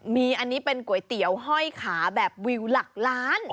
มีอันนี้เป็นก๋วยเตี๋ยวห้อยขาแบบวิวหลักล้าน